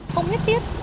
không nhất thiết